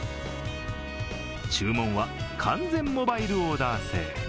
注文は完全モバイルオーダー制。